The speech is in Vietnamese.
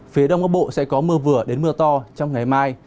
phía đông bắc bộ sẽ có mưa vừa đến mưa to trong ngày mai